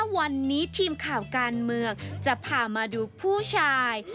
วันนี้ทีมข่าวการเมืองจะพามาดูผู้ชาย